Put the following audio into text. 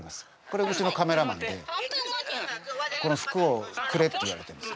これうちのカメラマンで「服をくれ」って言われてるんですね。